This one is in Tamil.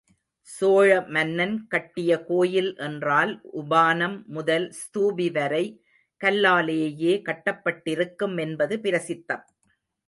சோழ மன்னன் கட்டிய கோயில் என்றால் உபானம் முதல் ஸ்தூபி வரை கல்லாலேயே கட்டப்பட்டிருக்கும் என்பது பிரசித்தம்.